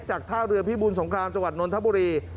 ท่าเรือพิบูรสงครามจังหวัดนนทบุรี